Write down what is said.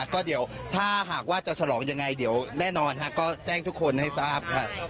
ก็เดี๋ยวถ้าหากว่าจะฉลองอย่างไรแน่นอนก็แจ้งทุกคนให้ทราบ